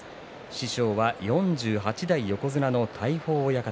師匠は４８代横綱の大鵬親方。